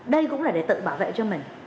đây cũng là để tự bảo vệ cho mình